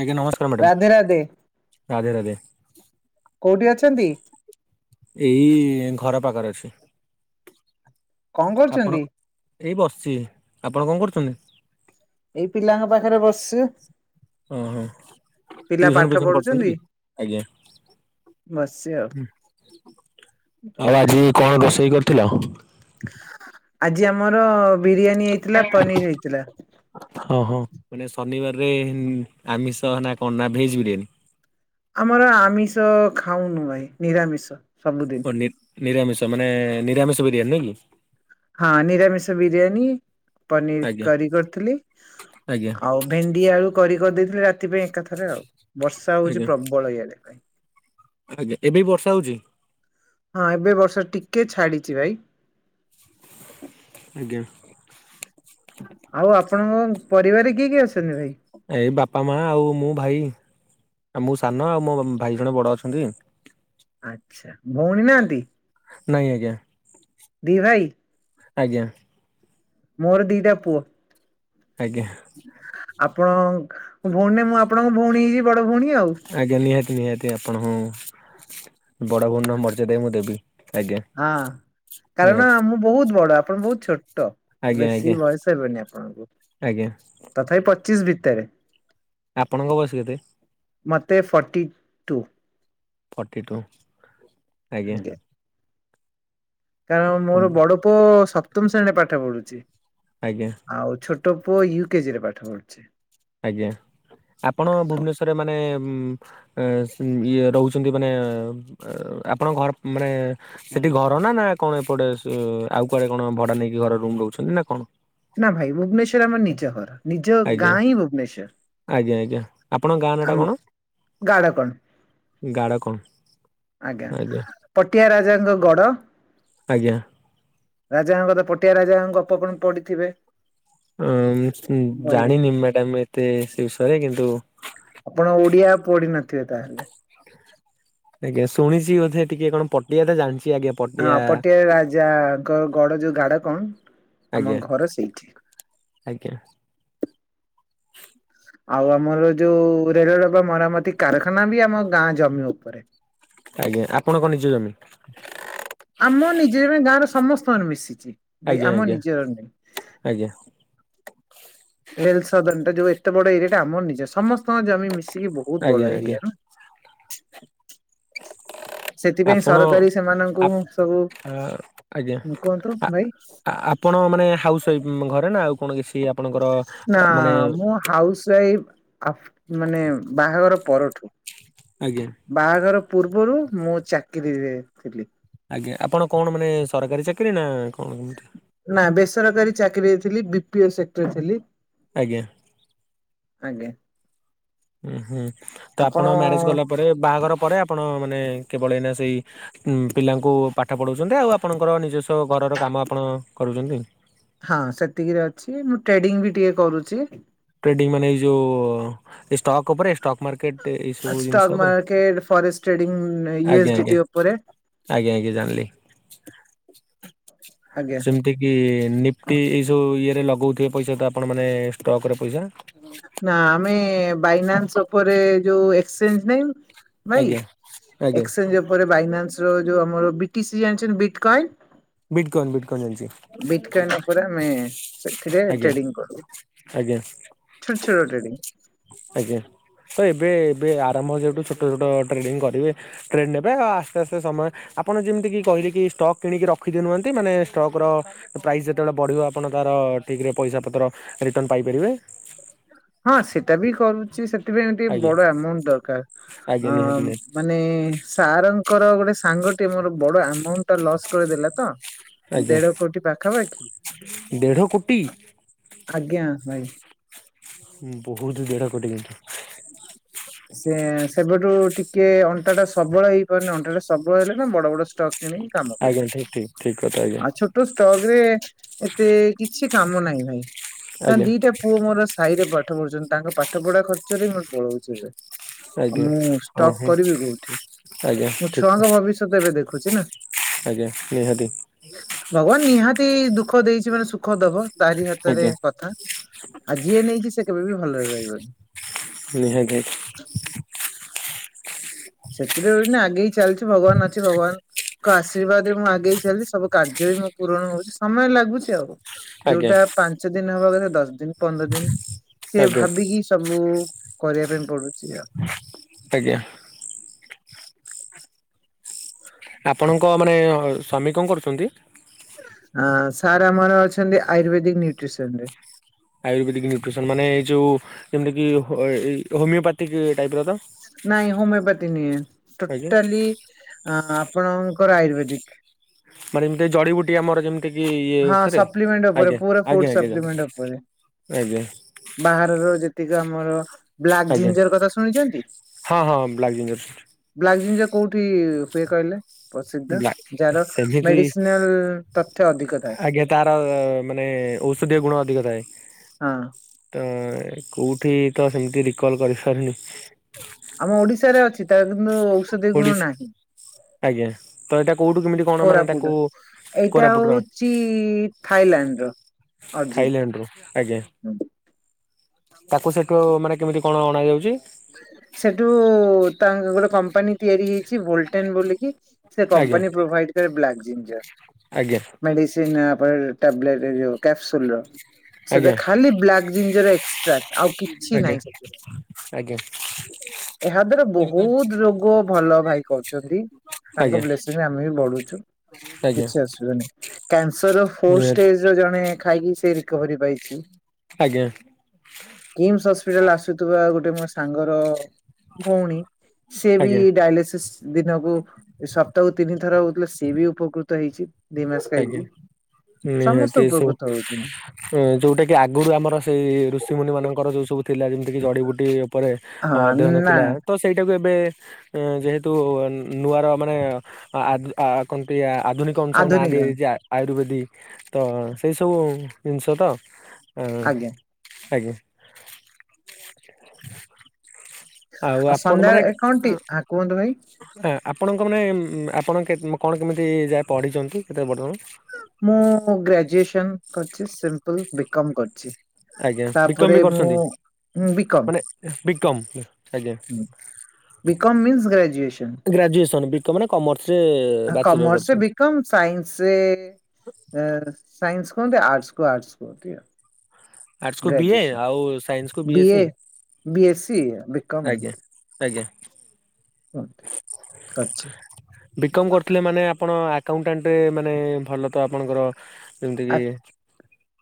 ଆଜ୍ଞା ନସ୍କା ରାଧେ ରାଧେ କୋଉଟି ଅଛନ୍ତି? ଏଇ ଘର ପାଖରେ ଅଛି। କଣ ଆପଣ କରୁଛନ୍ତି? ଏଇ ବସିଛି ଆପଣ କଣ କରୁଚନ୍ତି? ଏଇ ପିଲାଙ୍କ ପାଖରେ ବସିଚୁ। ଓହୋ ପାଠ ଟିଉସନ ଫିଉସନ କରୁଚନ୍ତି ପଢୁଛନ୍ତି କି ଆଜ୍ଞା। ବସିଛି ଆଉ। ଆଉ ଆଜି କଣ ରୋଷେଇ କରିଥିଲ? ଆଜି ଆମର ବିରିୟାନୀ ହେଇଥିଲା ପନିର ହେଇଥିଲା। ହ ହଁ ମାନେ ଶନିବାରରେ ଆମିଷ ନା କଣ ନା ଭେଜ ବିରିୟାନୀ। ଆମର ଆମିଷ ଖାଉନୁ ଭାଇ ନିରାମିଷ ସବୁଦିନ୍‌। ଓ ନି ନିରାମିଷ ମାନେ ନିରାମିଷ ବିରିୟାନି ନୁହିଁ କି। ହଁ ନିରାମିଷ ବିରିୟାନୀ ପନିର ଆଜ୍ଞା କରି କରିଥିଲି ଆଜ୍ଞା ଆଉ ଭେଣ୍ଡି ଆଳୁ କରି କରିଦେଇଥିଲି ରାତି ପାଇଁ ଏକା ଥରେ ଆଉ ବର୍ଷା ହଉଛି ଆଜ୍ଞା ପ୍ରବଳ ଇଆଡେ। ଆଜ୍ଞା ଏବେ ବି ବର୍ଷା ହଉଚି। ହଁ ଏବେ ବର୍ଷା ଟିକେ ଛାଡିଛି ଭାଇ। ଆଜ୍ଞା। ଆଉ ଆପଣଙ୍କ ପରିବାରରେ କିଏ କିଏ ଅଛନ୍ତି ଭାଇ? ଏଇ ବାପା ମା ଆଉ ମୁଁ ଭାଇ ଆଉ ମୁଁ ସାନ ଆଉ ମୋ ଭାଇ ଜଣେ ବଡ଼ ଅଛନ୍ତି। ଆଚ୍ଛା ଭଉଣୀ ନାହାନ୍ତି? ନାଇଁ ଆଜ୍ଞା ଦି ଭାଇ ଆଜ୍ଞା। ମୋର ଦିଟା ପୁଅ। ଆଜ୍ଞା। ଆପଣ ଭଉଣୀ ନାହିଁ ମୁଁ ଆପଣଙ୍କ ଭଉଣୀ ହେଇଯିବି ବଡ ଭଉଣୀ ଆଉ। ଆଜ୍ଞା ନିହାତି ନିହାତି ଆପଣଙ୍କୁ ବଡ ଭଉଣୀର ମର୍ଯାଦା ମୁଁ ଦେବି। ଆଜ୍ଞା ହଁ କାରଣ ନିହାତି ମୁଁ ବହୁତ ବଡ ଆପଣ ବହୁତ ଛୋଟ ଟ ଆଜ୍ଞା ବେଶୀ ଆଜ୍ଞା ବୟସ ହେବନି ଆପଣଙ୍କୁ ଆଜ୍ଞା ତଥାପି ପଚିଶ ଭିତରେ। ଆପଣଙ୍କ ବୟସ କେତେ? ମତେ ଫଟି ଟୁ। ଫର୍ଟି ଟୁ ଆଜ୍ଞା। କାରଣ ମୋର ବଡ ପୁଅ ସପ୍ତମ ଶ୍ରେଣୀରେ ପାଠ ପଢୁଛି। ଆଜ୍ଞା।। ଆଉ ଛୋଟ ପୁଅ ୟୁ କେ ଜି ରେ ପାଠ ପଢ଼ୁଛି। ଆଜ୍ଞା ଆପଣ ଭୁବନେଶ୍ୱରରେ ମାନେ ଉଁମ୍ ଏଁ ସ୍ ଉଁ ଇଏ ରହୁଛନ୍ତି ମାନେ ଉଁ ଆପଣଙ୍କ ଘର ମାନେ ସେଠି ଘର ନା ନା କଣ ଏପଟେ ସ ଆଉ କୁଆଡ଼େ କଣ ଭଡ଼ା ନେଇକି ଘର ରୁମ୍ ରହୁଛନ୍ତି ନା କଣ? ନା ଭାଇ ଭୁବନେଶ୍ୱର ଆମ ନିଜ ଘର। ନିଜ ଆଜ୍ଞା ଗାଁ ହିଁ ଭୁବନେଶ୍ଵର ଆଜ୍ଞା ଆଜ୍ଞା ଆପଣଙ୍କ ଗାଁ ନାଟା ଆମ ଗାଡ଼ା କଣ। ଗାଡ଼ କଣ। ଆଜ୍ଞା ପଟିଆ ରାଜାଙ୍କ ଗଡ଼। ଆଜ୍ଞା। ରାଜାଙ୍କର ତ ପଟିଆ ରାଜାଙ୍କ ଗପ କଣ ପଢ଼ିଥିବେ। ହଁ [unintelligible] ଜାଣିନି ମ୍ୟାଡାମ ଏତେ ବିଷୟରେ କିନ୍ତୁ଼ ଆପଣ ଓଡ଼ିଆ ପଢ଼ିବି ନଥିବେ ତାହେଲେ। ଆଜ୍ଞା ଶୁଣିଛି ବୋଧେ ଟିକେ କଣ ପଟିଆ ଟା ଜାଣିଛି ଆଜ୍ଞା। ହଁ ପଟିଆ ରାଜାଙ୍କ ଗଡ଼ ଯୋଉ ଗାଡ଼ କଣ ଆଜ୍ଞା। ଆମ ଘର ସେଇଠି। ଆଜ୍ଞା। ଆଉ ଆମର ଯୋଉ ରେଳଡବା ମରାମତି କାରାଖାନା ବି ଆମ ଗାଁ ଜମି ଉପରେ। ଆଜ୍ଞା ଆପଣଙ୍କ ନିଜ ଜମି? ଆମ ନିଜେ ଏବେ ଗାଁରେ ସମସ୍ତ ମାନ ମିଶିଛି ଭାଇ ଆଜ୍ଞା ଆମ ଆଜ୍ଞା ନିଜର ନାହିଁ। ଆଜ୍ଞା। ରେଲ ସଦନ ଟା ଯୋଉ ଏତେ ବଡ଼ ଏରିଆ ଟା ଆମର ନିଜର ସମସ୍ତଙ୍କ ଜମି ମିଶିକି ବୋହୁତ ଆଜ୍ଞା ବଡ଼ ଆଜ୍ଞା ଏରିଆ ନା। ସେଥିପାଇଁ ଆପଣ ସରକାରୀ ସେମାନଙ୍କୁ ଆପ୍ ସବୁ ଆ ଆଜ୍ଞା କୁହନ୍ତୁ ଆ ଭାଇ ଆ ଆପ୍ ପଣ ମାନେ ହାଉସ୍ୱାଇଫ୍ ଘରେ ନା ଆଉ କଣ କିଛି ଆପଣଙ୍କର? ନା ମାନେ ମୁଁ ହାଉସ ୱାଇଫ୍ ଆଫ୍ ମାନେ ବାହାଘର ପରଠୁ। ଆଜ୍ଞା। ବାହାଘର ପୂର୍ବରୁ ମୁଁ ଚାକିରି ରେ ଥିଲି। ଆଜ୍ଞା ଆପଣ କଣ ମାନେ ସରକାରୀ ଚାକିରି ନା କଣ କେମିତି? ନା ବେସରକାରୀ ଚାକିରି ରେ ଥିଲି ବି ପି ଏ ସେକ୍ଟର ଥିଲି। ଆଜ୍ଞା। ଆଜ୍ଞା। ଉଁ ହୁଁ ତ ଆପଣ ମ୍ୟାରେଜ କଲା ପରେ ବାହାଘର ପରେ ଆପଣ ମାନେ କେବଳ ଏଇନା ସେଇ ଉଁ ପିଲାଙ୍କୁ ପାଠ ପଢ଼ଉଛନ୍ତି ଆଉ ଆପଣଙ୍କର ନିଜସ୍ଵ ଘରର କାମ ଆପଣ କରୁଛନ୍ତି। ହଁ ସେତିକିରେ ଅଛି ମୁଁ ଟ୍ରେଡିଙ୍ଗ ବି ଟିକେ କରୁଛି। ଟ୍ରେଡିଂ ମାନେ ଏଇ ଯୋଉ ଏ ଷ୍ଟକ୍ ଉପରେ ଷ୍ଟକ୍ ମାର୍କେଟ? ଏଇ ଅ ସବୁ ଜିନିଷ ଷ୍ଟକ୍ ଉପରେ ମାର୍କେଟ୍ ଫରେଷ୍ଟ୍ ଟ୍ରେଡିଂ ଉଁ ୟୁ ଏସ୍ ଡି ଟି ଉପରେ। ଆଜ୍ଞ ଆଜ୍ଞା ଜାଣିଲି। ଆଜ୍ଞା ସେମ୍ ଠିକି ନିପ୍ଟି ଏଇ ଯୋଉ ଇଏରେ ଲଗଉଥିବେ ପଇସା ତ ଆପଣ ମାନେ ଷ୍ଟକର ପଇସା। ନା ଆମେ ବାଇନାନ୍ସ ଉପରେ ଏ ଯୋଉ ଏକ୍ସଚେଞ୍ଜ ନାହିଁ? ଭାଇ ଆଜ୍ଞା ଆଜ୍ଞା ଏକ୍ସଚେଞ୍ଜ ଉପରେ ବାଇନାନ୍ସ ର ଯୋଉ ଆମର ବି ଟି ସି ଜାଣିଛନ୍ତି ବିଟ୍ କଲ୍? ବିିଟକନ୍ ବିଟକନ୍ ଜାଣିଛି। ବିଟକାନ୍ ଉପରେ ଆମେ ସେଥିରେ ଆଜ୍ଞା ଟ୍ରେଡିଙ୍ଗ କରୁ। ଆଜ୍ଞା ଛୋଟ ଛୋଟେ ଟ୍ରେଡିଙ୍ଗ। ଆଜ୍ଞା ତ ଏବେ ଏବେ ଆରମ୍ଭ ଯେହେତୁ ଛୋଟ ଛୋଟ ଟ୍ରେଡିଂ କରିବେ। ଟ୍ରେନ୍ ନେବେ ଆ ଆସ୍ତେ ଆସ୍ତେ ସମୟେ ଆପଣ ଯେମିତି କିି କହିଲେ କି ଷ୍ଟକ୍ କିଣିକି ରଖିଦିଅ ନୁହନ୍ତି ମାନେ ଷ୍ଟକର ଓ ପ୍ରାଇସ୍ ଯେତେବେଳେ ବଢ଼ିବ ଆପଣ ତାର ଠିକ୍ ରେ ପଇସା ପତ୍ର ରିଟର୍ଣ୍ଣ ପାଇପାରିବେ। ହଁ ସେଟା ବି କରୁଛି ସେଥିପାଇଁ ଆଉ ଟିକେ ଆଜ୍ଞା। ବଡ଼ ଆମାଉଣ୍ଟ ଦରକାର ଆଜ୍ଞା ନିହାତି ଅମ୍ ନିହାତି ମାନେ ସାରଙ୍କର ଗୋଟେ ସାଙ୍ଗଟେ ମୋର ବଡ଼ ଆମାଉଣ୍ଟ ଟା ଲସ୍ କରିଦେଲା ତ। ଆଜ୍ଞା ଦେଢ଼ କୋଟି ପାଖାପାଖି ଦେଢ କୋଟି ଆଜ୍ଞା ଭାଇ। ବୋହୁତ ଦେଢ଼ କୋଟି କିନ୍ତୁ। ସେ, ସେବେଠୁ ଟିକେ ଅଣ୍ଟା ଟା ସବଳ ହେଇପାରୁନି। ଅଣ୍ଟା ଟା ସବଳ ହେଲେ ନା ବଡ ବଡ ଷ୍ଟକ୍ କିଣିକି, କାମ ଆଜ୍ଞା କରିବେ। ଠିକ ଠିକ ଠିକ କଥା ଆଜ୍ଞା ଷ୍ଟଗ୍ ରେ ଏତେ କିଛି କାମ ନାହିଁ ଭାଇ। ଆଜ୍ଞା ଦିଟା ପୁଅ ମୋର ଇ ରେ ପାଠ ପଢୁଚନ୍ତି, ତାଙ୍କ ପାଠ ପଢ଼ା ଖର୍ଚ୍ଚରେ ମର୍ ପଳଉଚି ଏବେ। ଆଜ୍ଞା ମୁଁ ଷ୍ଟକ୍ ଓହୋ କରିବି କଉଠି, ଆଜ୍ଞା ମୁଁ ଠିକ ଛୁଆଙ୍କ ଭବିଷ୍ୟତ ଏବେ ଦେଖୁଚି ନା ଆଜ୍ଞା, ନିହାତି। ଭଗବାନ ନିହାତି ଦୁଃଖ ଦେଇଚି ମାନେ, ସୁଖ ଦବ ତା'ରି ହାତରେ ଆଜ୍ଞା କଥା। ଆ ଯିଏ ନେଇଚି, ସେ କେବେ ବି ଭଲରେ ରହିବନି। [inaudible] ସେଥିରେ ବିନା ଆଗେଇ ଚାଲ୍ଚି, ଭଗବାନ୍‌ ଅଛି। ଭଗବାନ୍‌ ଙ୍କ ଆଶୀର୍ବାଦ୍‌ ରେ ମୁଁ ଆଗେଇ ଚାଲି, ସବୁ କାର୍ଯ୍ୟ ବି ପୂରଣ ହଉଚି ସମୟ ଲାଗୁଚି ଆଉ। ଆଜ୍ଞା ଯଉଟା ପାଞ୍ଚ ଦିନ୍‌ ହବା କଥା ଦଶ୍ ଦିନ୍‌ ପନ୍ଦର୍ ଦିନ୍‌ ଏ ଆଜ୍ଞା ଭାବିକି ସବୁ। କରିବା ପାଇଁ ପଡୁଚି ଆ। ଆଜ୍ଞା। ଆପଣଙ୍କ ମାନେ--ସ୍ୱାମୀ ଙ୍କ କରୁଚନ୍ତି? ଆଁ ସାର୍ ଆମର ଅଚନ୍ତି, ଆୟୁର୍ବେଦିକ୍ ନ୍ୟୁଟ୍ରିସନ୍‌ ରେ। ଆୟୁର୍ବେଦିକ୍ ନ୍ୟୁଟ୍ରିସନ୍‌ ମାନେ ଇ ଯଉ ଯେମିତି କି ହୋମିଓ ପାତିକ୍ ଟାଇପ୍ର ତ। ନାଇଁ ହୋମିଓ ପାତି ନି ଆଜ୍ଞା ଟୋଟାଲି ଆଁ ଆପଣଙ୍କର ଆୟୁର୍ବେଦିକ୍। ମାନେ ଜଡ଼ି ବୁଟି ଆମର ଯେମ୍ ହଁ ସପ୍ଲିମେଣ୍ଟ ଉପରେ ପୁରା ଫୁଡ ସପ୍ଲିମେଣ୍ଟ ଉପରେ [inaudible] ବାହାରର ଯେତିକ ଆମର। ବ୍ଲାକ୍ ଆଜ୍ଞା ଜିଞ୍ଜର୍ କଥା ଶୁଣିଚନ୍ତି? ହଁ ହଁ ବ୍ଲାକ୍ ଜିଞ୍ଜର ବ୍ଲାକ୍ ଜିଞ୍ଜ କଉଠି ହୁଏ କହିଲେ? ପସିଦ୍ଧ ବ୍ଲା ଯା-ର ସେମିତି ମେଡ଼ିସିନାଲ୍ ତଥ୍ୟ ଅଧିକ। ଥାଏ। ଆଜ୍ଞା, ତା'ର ମାନେ ଔଷଧୀୟ ଗୁଣ ଅଧିକ ଥାଏ। ହଁ! ତ କଉଠି ତ ସେମିତି ରିକଲ୍ କରି ସରିନି। ଆମ ଓଡ଼ିଶାରେ ଅଛି, ତା'ର କିନ୍ତୁ ଔଷଦିୟ ଗୁଣ ଓଡିଶା ନାହିଁ। ଆଜ୍ଞା, ତ ଏଇଟା କଉଠୁ କେମିତି କ'ଣ ମାନେ ତାକୁ କୋରାପୁଟୁ ଉଚି ଥାଇଲାଣ୍ଡ ର। ଅର୍ଜିନ୍। ଥାଇଲାଣ୍ଡରୁୁ, ଆଜ୍ଞା। ତାକୁ ସେଟୁ ମାନେ କେମିତି କ'ଣ ଅଣା ଯାଉଚି? ସେଟୁ ତା ଗୋଟେ କମ୍ପାନୀ ତିଆରି ହେଇଚି, ବୋଲ୍ଟେନ୍‌ ବୋଲିକି। ସେ ଆଜ୍ଞା କମ୍ପାନୀ ପ୍ରୋଭାଇଡ୍‌ କରେ ବ୍ଲାକ୍ ଜିଞ୍ଜର୍। ଆଜ୍ଞା [inaudible] ଆଜ୍ଞା ଜିଞ୍ଜର୍ ଏକ୍ସଟ୍ରା ଆଉ କିଛି ଆଜ୍ଞା ନାହିଁ। ଆଜ୍ଞା। ଏହା ଦ୍ଵାରା ବହୁତ୍ ରୋଗ ଭଲ ଭାଇ କ--ଚନ୍ତି। ତାଙ୍କ ଆଜ୍ଞା ବ୍ଲେସିଂ ରେ ଆମେ ବି ବଡୁଚୁ। ଆଜ୍ଞା କିଛି ଅସୁ କ୍ୟାନ୍ସର୍ ର ଫୋର୍ ନିହାତି ଷ୍ଟେଜ୍‌ ଜଣେ ଖାଇକି, ସେ ରିକଭରି ପାଇଚି। ଆଜ୍ଞା କିମ୍ସ ହସ୍ପିଟାଲ୍‌ ଆସୁଥିବା। ଗୋଟେ ସାଙ୍ଗର ଭଉଣୀ ସିଏବି ଆଜ୍ଞା ଡ଼ାଇଲେସେସ୍‌। ଦିନକୁ ସପ୍ତା--କୁ ତିନି ଥର ହଉଥିଲା, ସିଏ ବି ଉପକୃତ ହେଇଚି। ଦି ମାସ୍‌ ଆଜ୍ଞା ଖାଇକି, ସମସ୍ତେ ଉପକୃତ ହଉ ଯଉଟା କି ଆଗରୁ ଆମର ସେଇ ଋଷିମୁନି ମାନଙ୍କର ଯଉ ସବୁ ଥିଲା, ଯେମ୍ତି କିି ଜଡ଼ି ବୁଟି। ଉପରେ ହଁ ଅଧ୍ୟୟନ ନା ଥିଲା। ତ ସେଇଟାକୁ ଏବେ---ଯେହେତୁ ନୂଆର ମାନେ [inaudible] ଆଧୁନିକ ଆୟୁର୍ବେଦିକ୍ ତ ସେଇ ସବୁ ନିଷ ତ। ଆଜ୍ଞା। ଆଉ ଆପଣ ମାନେ ସନ୍ଧ୍ୟାବେଳେ କଣଟି ହ କୁହନ୍ତୁ ଭାଇ। ଆପଣଙ୍କ ମାନେ ଆପଣ କେ କଣ କେମିତି ଯାଏ ପଢିଚନ୍ତି କେତେ [unintelligible] ମୁଁ ଗ୍ରାଜୁଏସନ କରିଚି ସିମ୍ପଲ ବି କମ୍ କରିଚି। ଆଜ୍ଞା ବିକମ୍ ତାପରେ ମୁଁ ବି କମ। ବି କମ ଆଜ୍ଞା B com means graduation graduation B com ନା କମର୍ସ ରେ ଆ କମର୍ସ ରେ ବି କମ୍ ସାଇନ୍ସ ଏ ସାଇନ୍ସ କୁହନ୍ତି ଆର୍ଟସ୍ କୁ ଆର୍ଟସ୍ କୁହନ୍ତି ଆଉ। ଆର୍ଟସ୍ କୁ ବିଏ ଗ୍ରେଜୁଏସନ୍ ଆଉ ସାଇନ୍ସ କୁ ବି BSc A, B A C, ସ ବି କମ। ଆଜ୍ଞା ଆଜ୍ଞା। [unintelligible] ବି କମ କରିଥିଲେ ମାନେ ଆପଣ ଆକାଉଣ୍ଟାଣ୍ଟରେ ମାନେ ଭଲ ତ ଆପଣଙ୍କର ଯେମିତି କି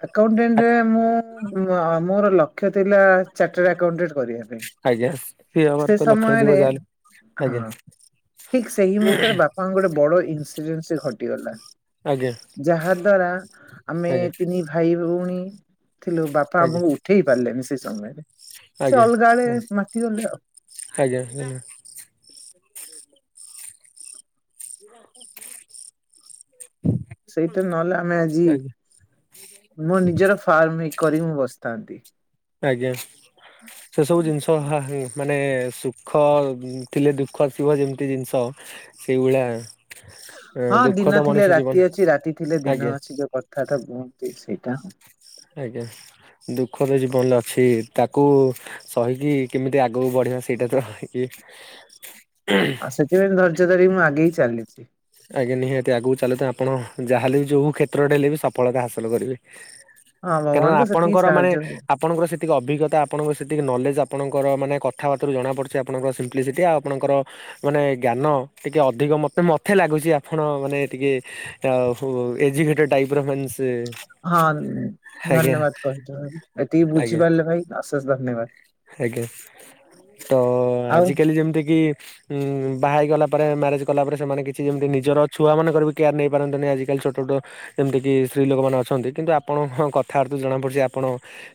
ଆକାଉଟେଣ୍ଟରେ ମୁଁ ଆ ମୋର ଲକ୍ଷ୍ୟ ଥିଲା ଚାଟାଡଆକାଉଟାଣ୍ଟ କରିବା ପାଇଁ। ଆଜ୍ଞା। ହବାର ସେ ତ ଲକ୍ଷ୍ୟ ଥିବ ସମୟରେ ଯାହାହେଲେ ହଁ ଆଜ୍ଞା ଠିକ ସେଇ ମୁହୂର୍ତ୍ତରେ ବାପା କଣ ଗୋଟେ ବଡ ଇନ୍ସିଡେନ୍ସ ଘଟିଗଲା। ଆଜ୍ଞା ଯାହା ଦ୍ଵାରା ଆମେ ଆଜ୍ଞା ତିନି ଭାଇ ଭଉଣୀ ଥିଲୁ ବାପା ଆଜ୍ଞା ଆମକୁ ଉଠେଇ ପାରିଲେନି ସେ ସମୟରେ ସେ ଆଜ୍ଞା। ଅଲଗାଡେ ମାତିଗଲେ ଆଉ। ଆଜ୍ଞା। [unintelligible] ଓ [inaudible] ସେଇଟା ନହେଲେ ଆମେ ଆଜି ମୋ ନିଜର ଫାର୍ମ ହେଇ କରିିକି ମୁଁ ବସିଥାନ୍ତି। ଆଜ୍ଞା। ସେ ସବୁ ଜିନିଷ ହା ମାନେ ସୁଖ ଥିଲେ ଦୁଃଖ ଆସିବ ଯେମିତି ଜିନିଷ ସେଇ ଭଳିଆ। ହଁ ଦିନ ଥିଲେ ରାତି ଅଛି ରାତି ଥିଲେ ଦିନ ଆଜ୍ଞା ଅଛି ଯୋଉ କଥାଟା କୁହନ୍ତି ସେଇଟା ଆଉ। ଆଜ୍ଞା ଦୁଃଖ ତ ଜୀବନରେ ଅଛି। ତାକୁ ସହିକି କେମିତି ଆଗକୁ ବଢିବା ସେଇଟା ତ [unintelligible] ଆଉ ସେଥିପାଇଁ ଧୈର୍ଯ୍ୟ ଧରିିକି ମୁଁ ଆଗେଇ ଚାଲିଚି। ଆଜ୍ଞା ନିହାତି ଆଗକୁ ଚାଲନ୍ତୁ ତ ଆପଣ ଯାହା ହେଲେ ବି ଯଉ କ୍ଷେତ୍ରରେ ହେଲେ ବି ସଫଳତା ହାସଲ କରିବେ। ହଁ କାରଣ ଭଗବାନ ତ ସେତିକି ଆପଣଙ୍କର ସାହାଯ୍ୟ ମାନେ କଲେ। ଆପଣଙ୍କର ସେତିକି ଅଭିଜ୍ଞତା ଆପଣଙ୍କ ସେତିକି ନଲେଜ୍ ଆପଣଙ୍କର ମାନେ କଥାବାର୍ତା ରୁ ଜଣାପଡ଼ୁଚି ଆପଣଙ୍କର ସିମ୍ପ୍ଲିସିଟି। ଆଉ ଆପଣଙ୍କର ମାନେ ଜ୍ଞାନ ଟିକେ ଅଧିକ ମତେ ମତ ତେ ଲାଗୁଚି ଆପଣ ମାନେ ଟିକେ ଏଜୁକେଟେଡ଼ ଟାଇପ୍ ର ମିନ୍ସ ହଁ ଧନ୍ୟବାଦ କହିଥିବାରୁ। ଏତିକି ଆଜ୍ଞା ବୁଝିପାରିଲେ ଭାଇ ଅଶେଷ ଧନ୍ୟବାଦ। ଆଜ୍ଞା ତ ଆଉ ଆଜିକାଲି ଯେମିତି କିି ଉଁ ବାହାହେଇଗଲା ପରେ ମ୍ୟାରେଜ କଲା ପରେ ସେମାନେ କିଛି ଯେମିତି ନିଜର ଛୁଆମାନଙ୍କର ବି କେୟାର୍ ନେଇପାରନ୍ତନି ଆଜିକାଲି ଛୋଟ ଛୋଟ ଯେମିତି କିି ସ୍ତ୍ରୀ ଲୋକମାନେ ଅଛନ୍ତି କିନ୍ତୁ ଆପଣଙ୍କ କଥାବାର୍ତା ରୁ ଜଣାପଡୁଚି ଆପଣ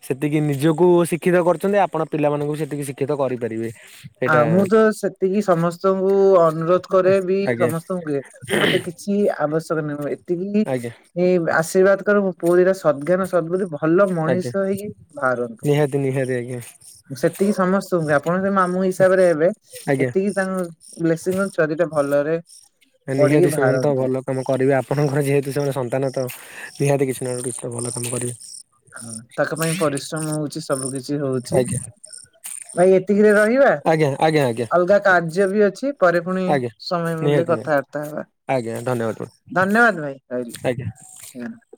ସେତିକି ନିଜକୁ ଶିକ୍ଷିତ କରୁଚନ୍ତି ଆପଣ ପିଲାମାନଙ୍କୁ ସେତିକି ଶିକ୍ଷିତ କରିପାରିବେ। ସେଇଟା ଆଉ ମୁଁ ତ ସେତିକି ସମସ୍ତଙ୍କୁ ଅନୁରୋଧ କରେ ବି ଆଜ୍ଞା ସମସ୍ତଙ୍କୁ କଏ ମତେ କିଛି ଆବଶ୍ୟକ ନାହିଁ ଏତିକି ଆଜ୍ଞା ଏଇଁ ଆଶୀର୍ବାଦ କର ମୋ ପୁଅ ଦିଟା ସତଜ୍ଞାନ ଶତବୁଦ୍ଧି ଭଲ ମଣିଷ ଆଜ୍ଞା ହେଇକି ବାହାରନ୍ତୁ। ନିହାତି ନିହାତି ଆଜ୍ଞା। ସେତିକି ସମସ୍ତଙ୍କୁ କୁହେ ଆପଣ ସେ ମାମୁଁ ହି ସାବରେ ହେବେ ଆଜ୍ଞା। ଏତିକି ତାଙ୍କ ବ୍ଲେସି ଛୁଆ ଦିଟା ଭଲରେ ପଢିକି ନିହାତି ସେମାନେ ତ ବାହାରନ୍ତୁ। ଭଲ। କାମ କରିବେ ଆପଣଙ୍କର ଯେହେତୁ ସେମାନେ ସନ୍ତାନ ତ ନିହାତି କିଛି ନା କିଛି ଭଲ କାମ କରିବେ। ହଁ ତାଙ୍କ ପାଇଁ ପରିଶ୍ରମ ହଉଚି ସବୁ କିଛି ହୋଉଚି। ଆଜ୍ଞା ଭାଇ ଏତିକିରେ ରହିବା ଆଜ୍ଞା ଆଜ୍ଞା ଆଜ୍ଞା ଅଲଗା କାର୍ଯ୍ୟ ବି ଅଛି। ପରେ ପୁଣି ଆଜ୍ଞା ସମୟ ମିିଳିଲେ ନିହାତି ନିହାତି କଥାବାର୍ତ୍ତା ହେବା। ଆଜ୍ଞା ଧନ୍ୟବାଦ। ଧନ୍ୟବାଦ ଭାଇ ଆଜ୍ଞା ରହିଲି।